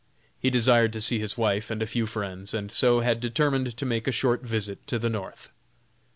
He desired to see his wife and a few friends, and so had determined to make a short visit to the North.